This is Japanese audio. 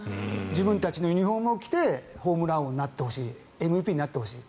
自分たちのユニホームを着てホームラン王になってほしいＭＶＰになってほしい。